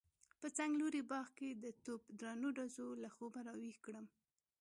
په څنګلوري باغ کې د توپ درنو ډزو له خوبه راويښ کړم.